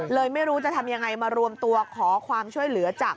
ไม่รู้จะทำยังไงมารวมตัวขอความช่วยเหลือจาก